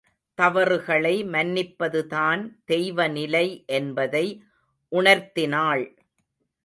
தவறுகளை மன்னிப்பதுதான் தெய்வநிலை என்பதை உணர்த்தினாள்.